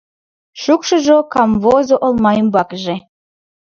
Шукшыжо камвозо олма ӱмбакыже.